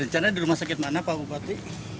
rencana di rumah sakit mana pak bupati